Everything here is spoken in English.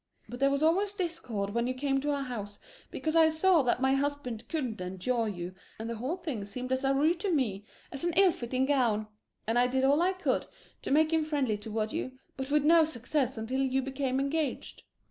But there was always discord when you came to our house, because I saw that my husband couldn't endure you, and the whole thing seemed as awry to me as an ill fitting gown and I did all I could to make him friendly toward you, but with no success until you became engaged.